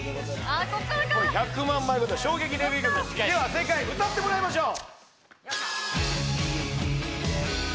あこっからか１００万枚売れた衝撃デビュー曲では正解歌ってもらいましょう！